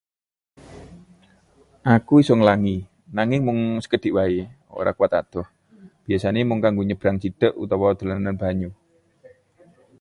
Aku iso nglangi, nanging mung sakedhik wae, ora kuwat adoh. Biasane mung kanggo nyabrang cedhak utawa dolanan banyu.